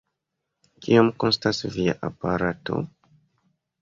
Kiom kostas via aparato?